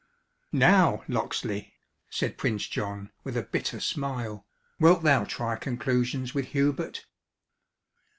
"Now, Locksley," said Prince John with a bitter smile, "wilt thou try conclusions with Hubert?"